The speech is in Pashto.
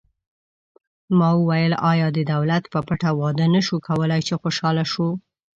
ما وویل: آیا د دولت په پټه واده نه شو کولای، چې خوشحاله شو؟